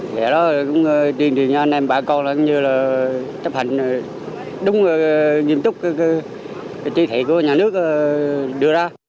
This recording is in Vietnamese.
để đó tuyên truyền cho anh em bà con là chấp hành đúng nghiêm túc trí thị của nhà nước đưa ra